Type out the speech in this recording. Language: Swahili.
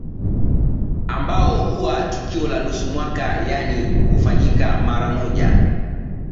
Ambao huwa tukio la nusu mwaka yani hufanyika mara moja